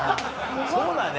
そうだね